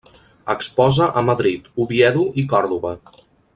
Exposa a Madrid, Oviedo i Còrdova.